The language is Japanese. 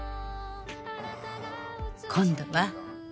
「今度は」